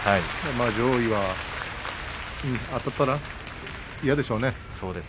上位はあたったら嫌でしょうね。